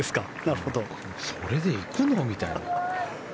それで行くの？みたいな。